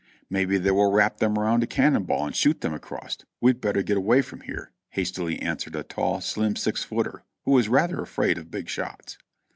"Maybe they will wrap them around a cannon ball and shoot them across ; we'd better get away from here," hastily answered a tall, slim six footer, who was rather afraid of big shots.